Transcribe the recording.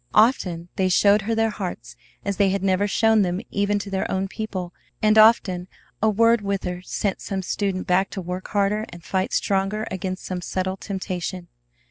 Often they showed her their hearts as they had never shown them even to their own people, and often a word with her sent some student back to work harder and fight stronger against some subtle temptation.